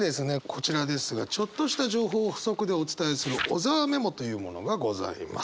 こちらですがちょっとした情報を補足でお伝えする小沢メモというものがございます。